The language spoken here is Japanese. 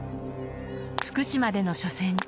福島での初戦。